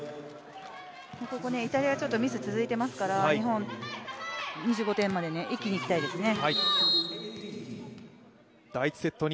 ここイタリアがミス、続いていますから日本、２５点まで一気にいきたいですね。